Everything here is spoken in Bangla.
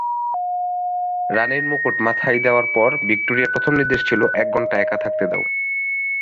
রাণীর মুকুট মাথায় দেওয়ার পর ভিক্টোরিয়ার প্রথম নির্দেশ ছিল এক ঘণ্টা একা থাকতে দাও।